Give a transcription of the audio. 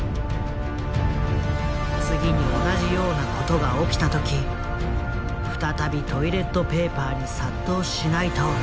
次に同じようなことが起きた時再びトイレットペーパーに殺到しないと言い切れるだろうか。